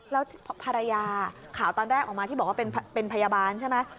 แล้วภรรยาข่าวตอนแรกออกมาที่บอกว่าเป็นพยาบาลใช่ไหม